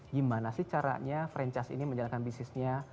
gimana sih caranya franchise ini menjalankan bisnisnya